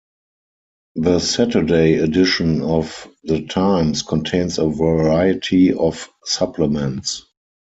The Saturday edition of "The Times" contains a variety of supplements.